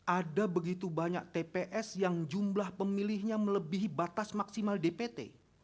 ada begitu banyak tps yang jumlah pemilihnya melebihi batas maksimal dpt